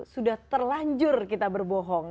sudah terlanjur kita berbohong